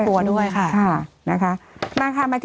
อืม